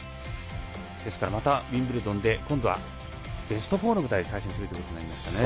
ですからまたウィンブルドンでベスト４の舞台で今度は対戦するということになりました。